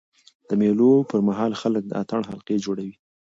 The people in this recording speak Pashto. د مېلو پر مهال خلک د اتڼ حلقې جوړوي.